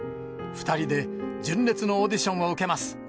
２人で、純烈のオーディションを受けます。